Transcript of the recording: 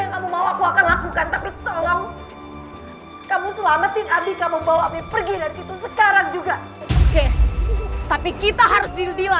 kamu selamatin pergi sekarang juga tapi kita harus